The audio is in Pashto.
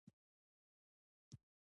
ایا ستاسو ګمان به نیک وي؟